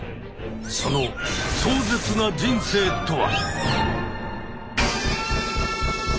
その壮絶な人生とは？